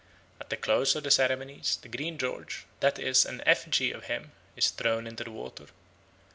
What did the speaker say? At the close of the ceremonies the Green George, that is an effigy of him, is thrown into the water.